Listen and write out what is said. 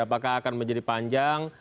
apakah akan menjadi panjang